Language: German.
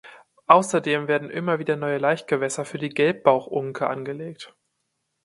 Außerdem werden immer wieder neue Laichgewässer für die Gelbbauchunke angelegt.